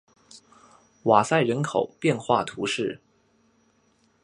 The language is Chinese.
瓦塞人口变化图示